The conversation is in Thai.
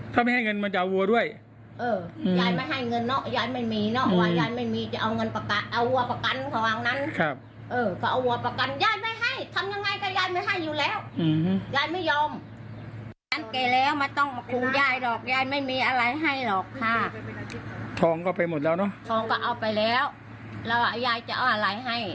ทองก็ไปหมดแล้วเนอะทองก็เอาไปแล้วแล้วว่ายายจะเอาอะไรให้